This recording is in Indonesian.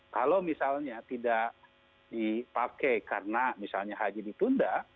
kalau misalnya tidak dipakai karena misalnya haji ditunda